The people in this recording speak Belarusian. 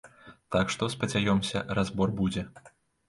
Так што, спадзяёмся, разбор будзе.